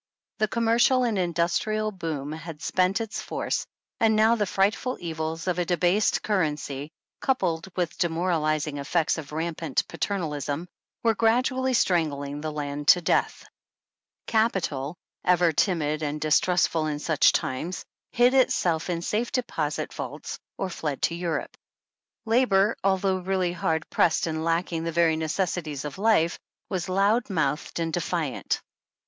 The commercial and industrial boom had spent its force, and now the frightful evils of a debased currency, coupled with demoralizing effects of rampant paternalism, were gradually strangling the land to death. Capital, ever timid and distrust ful in such times, hid itself in safe deposit vaults, or fled to Europe. Labor, although teally hard pressed and lacking the very necessities of life, was loud mouthed and defiant.